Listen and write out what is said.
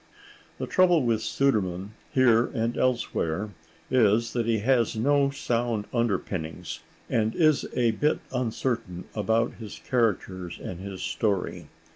The trouble with Sudermann, here and elsewhere, is that he has no sound underpinnings, and is a bit uncertain about his characters and his story.